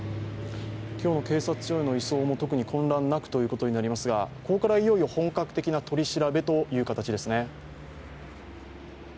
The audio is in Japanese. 今日の警察署への移送も特に混乱なくということですがここからいよいよ本格的な取り調べという形ですね。